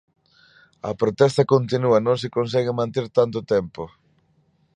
A protesta continua non se consegue manter tanto tempo.